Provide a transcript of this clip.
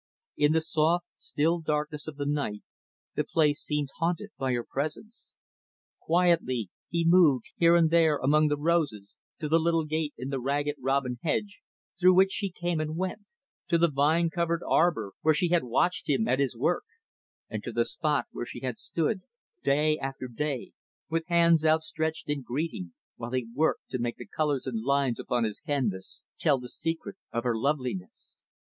In the soft, still darkness of the night, the place seemed haunted by her presence. Quietly, he moved here and there among the roses to the little gate in the Ragged Robin hedge, through which she came and went; to the vine covered arbor where she had watched him at his work; and to the spot where she had stood, day after day, with hands outstretched in greeting, while he worked to make the colors and lines upon his canvas tell the secret of her loveliness.